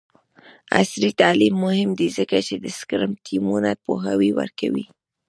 عصري تعلیم مهم دی ځکه چې د سکرم ټیمونو پوهاوی ورکوي.